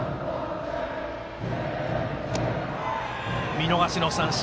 見逃しの三振。